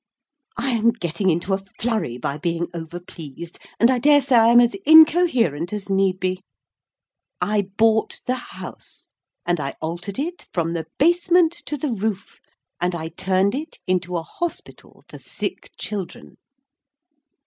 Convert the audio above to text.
I am getting into a flurry by being over pleased, and I dare say I am as incoherent as need be. I bought the House, and I altered it from the basement to the roof, and I turned it into a Hospital for Sick Children.